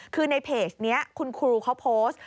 คือในเพจนี้คุณครูเขาโพสต์